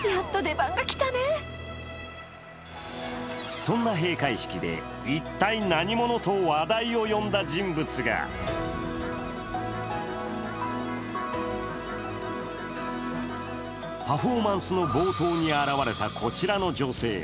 そんな閉会式で一体何者？と話題を呼んだ人物がパフォーマンスの冒頭に現れたこちらの女性。